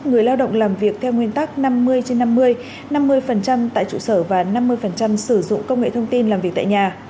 người lao động làm việc theo nguyên tắc năm mươi trên năm mươi năm mươi tại trụ sở và năm mươi sử dụng công nghệ thông tin làm việc tại nhà